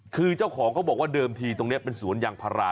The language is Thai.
คือเจ้าของเขาบอกว่าเดิมทีตรงนี้เป็นสวนยางพารา